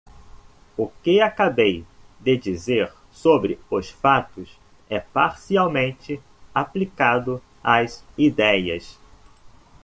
O que acabei de dizer sobre os fatos é parcialmente aplicado às idéias.